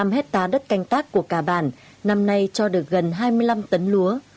năm hectare đất canh tác của cả bản năm nay cho được gần hai mươi năm tấn lúa